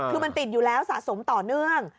คือมันติดอยู่แล้วสะสมต่อเนื่อง